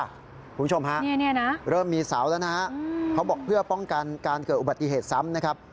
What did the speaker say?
คุณผู้ชมฮะเริ่มมีเสาแล้วนะฮะเขาบอกเพื่อป้องกันการเกิดอุบัติเหตุซ้ำนะครับ